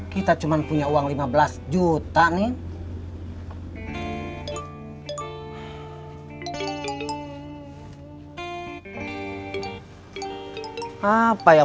kita cuma punya uang lima belas juta nih